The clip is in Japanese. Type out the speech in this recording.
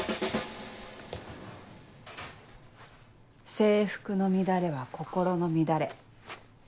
制服の乱れは心の乱れ。